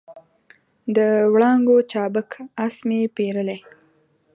د وړانګو چابک آس مې پیرلی